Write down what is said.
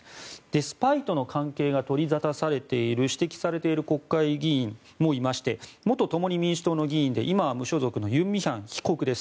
スパイとの関係が取り沙汰されている指摘されている国会議員もいまして元共に民主党の議員で今は無所属のユン・ミヒャン被告です。